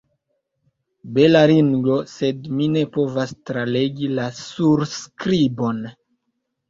Bela ringo, sed mi ne povas tralegi la surskribon.